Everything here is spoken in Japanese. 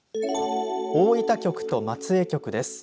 大分局と松江局です。